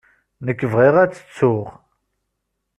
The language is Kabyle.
Nekk bɣiɣ ad tt-ttuɣ.